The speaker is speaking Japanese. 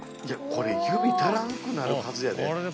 これ指足らんくなるはずやで。